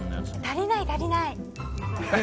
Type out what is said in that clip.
足りない、足りない。